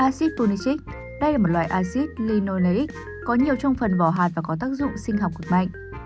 acid punicic đây là một loại acid linolax có nhiều trong phần vỏ hạt và có tác dụng sinh học cực mạnh